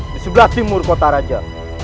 di sebelah timur kota raja